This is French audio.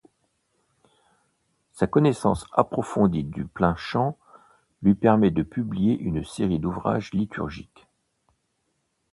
Sa connaissance approfondie du plain-chant lui permit de publier une série d'ouvrages liturgiques.